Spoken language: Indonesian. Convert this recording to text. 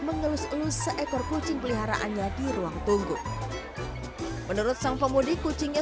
mengelus elus seekor kucing peliharaannya di ruang tunggu menurut sang pemudik kucingnya